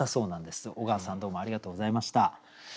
おがわさんどうもありがとうございました。